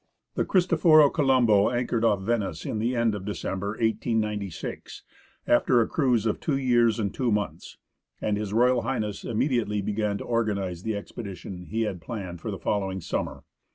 The Cristoforo Colombo anchored off Venice at the end of December, 1896, after a cruise of two years and two months, and H.R. H. immediately began to organize the expedition he had planned for the following summer.